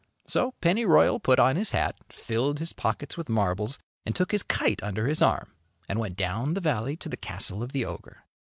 So Pennyroya! put on his hat, filled his pockets with marbles and took his kite under his arm, and went down the valley to the castle of the ogre.